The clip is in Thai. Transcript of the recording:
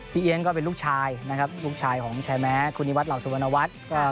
พี่เย้งเป็นลูกชายของชายแม้คุณิวัฒน์หลาวสะวนวัฒน์